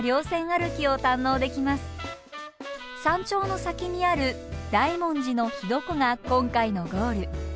山頂の先にある大文字の火床が今回のゴール。